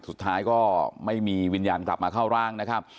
สุดท้ายก็ไม่มีวิญญาณกลับมาเข้าร่างนะครับ